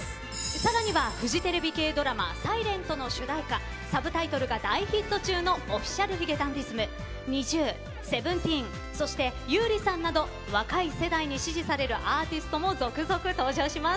さらにはフジテレビ系ドラマ「ｓｉｌｅｎｔ」の主題歌「Ｓｕｂｔｉｔｌｅ」が大ヒット中のＯｆｆｉｃｉａｌ髭男ｄｉｓｍＮｉｚｉＵＳＥＶＥＮＴＥＥＮそして優里さんなど若い世代に支持されるアーティストも続々登場します。